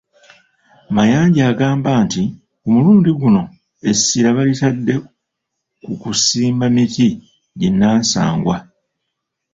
Mayanja agamba nti ku mulundi guno essira balitadde ku kusimba emiti ginnansangwa.